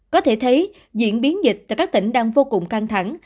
có thể thấy diễn biến dịch tại các tỉnh đang vô cùng căng thẳng